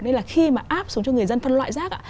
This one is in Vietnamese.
nên là khi mà áp xuống cho người dân phân loại rác